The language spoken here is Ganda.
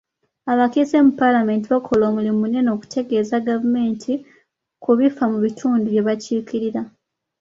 Abakiise mu paalamenti bakola omulimu munene okutegeeza gavumenti ku bifa mu bitundu bye bakiikirira.